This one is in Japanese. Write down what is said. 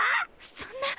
そんな！